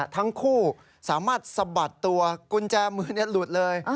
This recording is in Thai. ทั้งคู่สามารถสะบัดตัวกุญแจมือหลุดเลย